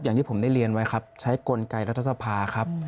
อย่างที่ผมได้เรียนไว้ครับใช้กลไกรัฐสภาครับ